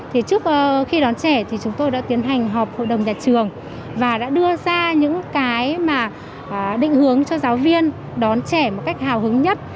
thì trước khi đón trẻ thì chúng tôi đã tiến hành họp hội đồng nhà trường và đã đưa ra những cái mà định hướng cho giáo viên đón trẻ một cách hào hứng nhất